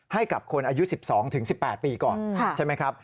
ให้กับคนอายุ๑๒๑๘ปีก่อนใช่ไหมครับ